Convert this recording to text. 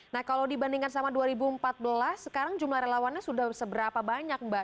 nah kalau dibandingkan sama dua ribu empat belas sekarang jumlah relawannya sudah seberapa banyak mbak